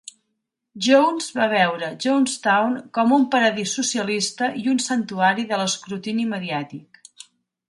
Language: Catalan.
Jones va veure Jonestown com un "paradís socialista" i un "santuari" de l'escrutini mediàtic.